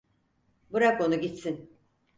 Bırak onu gitsin!